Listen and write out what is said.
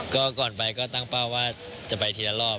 ก็ก่อนไปก็ตั้งเป้าว่าจะไปทีละรอบ